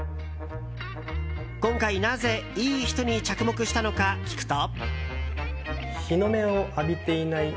今回、なぜいい人に着目したのか聞くと。